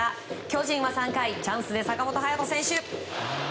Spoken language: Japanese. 巨人は３回チャンスで坂本勇人選手。